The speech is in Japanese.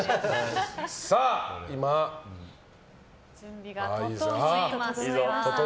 今、準備が整いました。